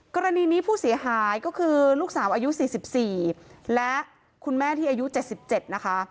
กรณีนี้ผู้เสียหายก็คือลูกสาวอายุสี่สิบสี่และคุณแม่ที่อายุเจ็ดสิบเจ็ดนะคะ